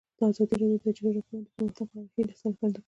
ازادي راډیو د د جګړې راپورونه د پرمختګ په اړه هیله څرګنده کړې.